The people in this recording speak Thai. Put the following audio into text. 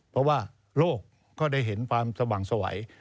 เพราะว่าโลกก็ได้เห็นความสว่างสวัย